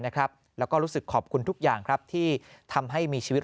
แล้วก็รู้สึกขอบคุณทุกอย่างครับที่ทำให้มีชีวิต